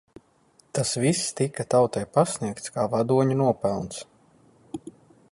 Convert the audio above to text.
Tas viss tika tautai pasniegts kā vadoņu nopelns.